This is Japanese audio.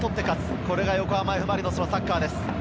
これが横浜Ｆ・マリノスのサッカーです。